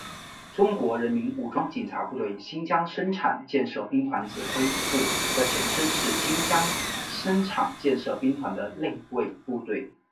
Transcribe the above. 中国人民武装警察部队新疆生产建设兵团指挥部的前身是新疆生产建设兵团的内卫部队。